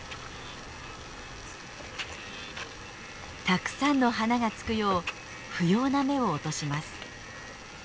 たくさんの花がつくよう不要な芽を落とします。